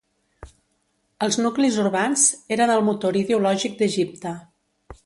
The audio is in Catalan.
Els nuclis urbans eren el motor ideològic d'Egipte.